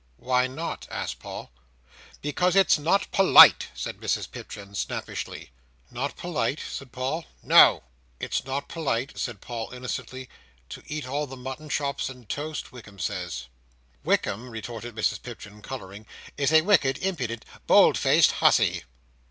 "Why not?" asked Paul. "Because it's not polite," said Mrs Pipchin, snappishly. "Not polite?" said Paul. "No." "It's not polite," said Paul, innocently, "to eat all the mutton chops and toast", Wickam says. "Wickam," retorted Mrs Pipchin, colouring, "is a wicked, impudent, bold faced hussy."